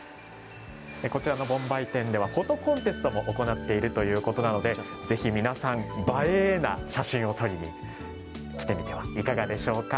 こちらの盆梅展ではフォトコンテストも行っているということなので、ぜひ皆さん映えな写真を撮りにきてみてはいかがでしょうか。